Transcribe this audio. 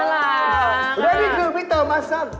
และนี่คือพิเตอร์มัสซัล